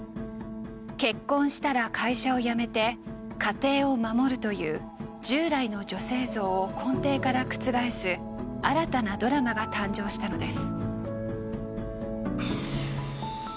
結婚したら会社を辞めて家庭を守るという従来の女性像を根底から覆す新たなドラマが誕生したのです。